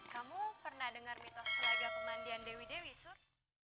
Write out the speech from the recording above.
kamu pernah dengar mitos pelaga pemandian dewi dewi sur